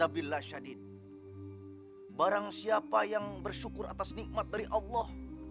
barang siapa yang bersyukur atas nikmat dari allah